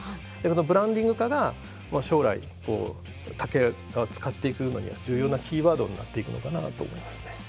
ブランディング化が将来竹を使っていくのには重要なキーワードになっていくのかなと思いますね。